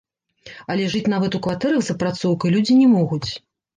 Але жыць нават у кватэрах з апрацоўкай людзі не могуць.